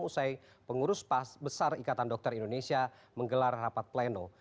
usai pengurus pas besar ikatan dokter indonesia menggelar rapat pleno